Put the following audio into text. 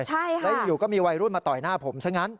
ใช่ค่ะแล้วอยู่ก็มีวัยรุ่นมาต่อยหน้าผมซะงั้น